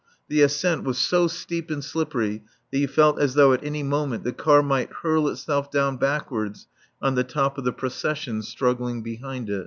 The ascent was so steep and slippery that you felt as though at any moment the car might hurl itself down backwards on the top of the processions struggling behind it.